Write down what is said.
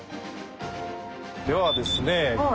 ではですね